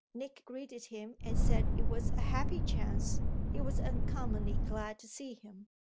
Nick greeted him and said it was a happy chance he was uncommonly glad to see him.